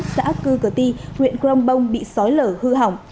xã cư cờ ti huyện crong bông bị sói lở hư hỏng